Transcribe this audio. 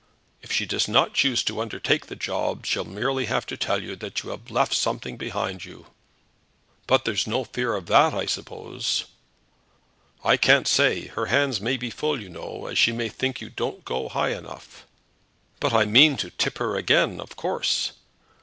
"If she does not choose to undertake the job, she'll merely have to tell you that you have left something behind you." "But there's no fear of that, I suppose?" "I can't say. Her hands may be full, you know, or she may think you don't go high enough." "But I mean to tip her again, of course."